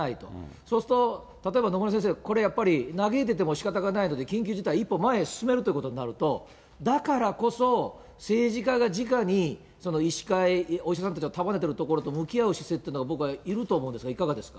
そうすると、例えば野村先生、これやっぱり、嘆いててもしかたがないので、緊急事態、一歩前へ進めるとなると、だからこそ、政治家がじかに医師会、お医者さんたちを束ねているところと向き合う姿勢っていうのが、僕はいると思うんですが、いかがですか。